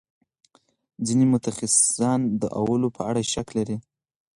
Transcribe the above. ځینې متخصصان د اولو په اړه شک لري.